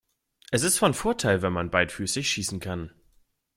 Es ist von Vorteil wenn man beidfüßig schießen kann.